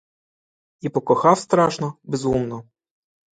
І покохав страшно, безумно.